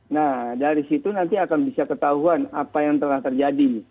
nah dari situ nanti akan bisa ketahuan apa yang telah terjadi